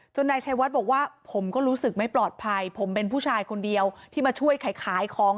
นายชัยวัดบอกว่าผมก็รู้สึกไม่ปลอดภัยผมเป็นผู้ชายคนเดียวที่มาช่วยขายขายของ